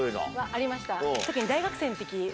ありました